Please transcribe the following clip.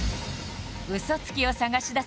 嘘つきを探し出す